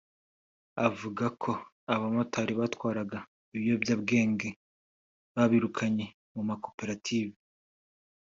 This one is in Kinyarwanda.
avuga ko abamotari batwaraga ibiyobyabwenge babirukanye mu makoperative